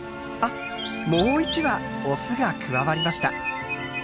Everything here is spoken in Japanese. もう１羽オスが加わりました。